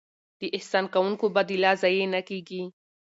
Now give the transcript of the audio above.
د احسان کوونکو بدله ضایع نه کیږي.